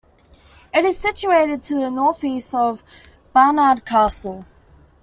It is situated to the north east of Barnard Castle.